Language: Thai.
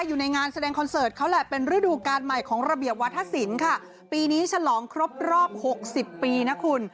อยู่ในงานแสดงคอนเสิร์ตเขาแหละเป็นฤดูการใหม่ของระเบียบวัฒนศิลป์ค่ะปีนี้ฉลองครบรอบหกสิบปีนะคุณ